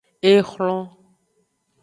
Exlon.